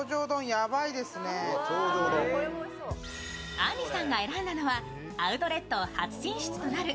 あんりさんが選んだのはアウトレット初進出となる